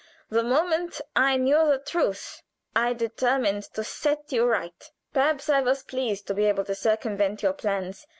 The moment I knew the truth I determined to set you right. Perhaps I was pleased to be able to circumvent your plans.